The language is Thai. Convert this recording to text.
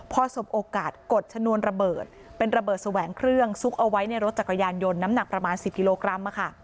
พอสมโอกาสกดชนวนระเบิดเป็นระเบิดแสวงเครื่องซุกเอาไว้ในรถจักรยานยนต์น้ำหนักประมาณ๑๐กิโลกรัม